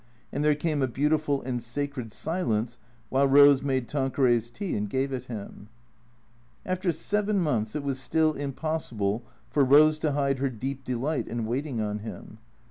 And there came a beautiful and sacred silence while Eose made Tanqueray's tea and gave it him. After seven months it was still impossible for Eose to hide her deep delight in waiting on him.